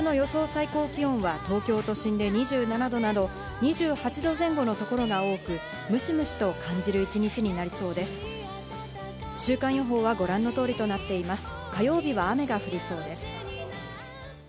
最高気温は東京都心で２７度など、２８度前後の所が多く、むしむしと感じる一日になりそうです。